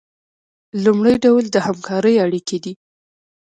لومړی ډول د همکارۍ اړیکې دي.